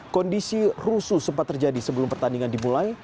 kondisi rusuh sempat terjadi sebelum pertandingan dimulai